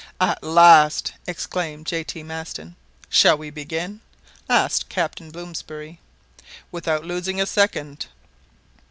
"At last!" exclaimed J. T. Maston. "Shall we begin?" asked Captain Blomsberry. "Without losing a second."